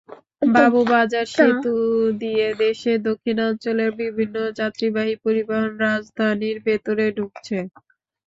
বাবুবাজার সেতু দিয়ে দেশের দক্ষিণাঞ্চলের বিভিন্ন যাত্রীবাহী পরিবহন রাজধানীর ভেতরে ঢুকছে।